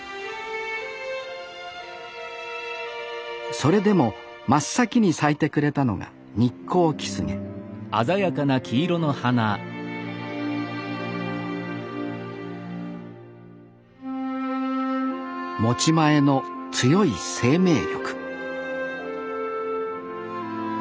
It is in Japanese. それでも真っ先に咲いてくれたのがニッコウキスゲ持ち前の強い生命力